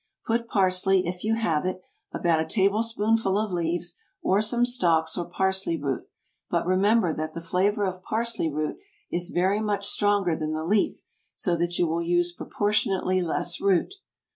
Put parsley, if you have it, about a tablespoonful of leaves, or some stalks, or parsley root; but remember that the flavor of parsley root is very much stronger than the leaf, so that you will use proportionately less root.